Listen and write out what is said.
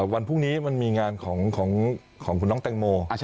วันพรุ่งนี้มันมีงานของคุณน้องแตงโม